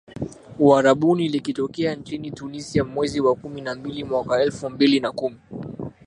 Uarabuni likitokea nchini Tunisia mwezi wa kumi na mbili mwaka elfu mbili na kumi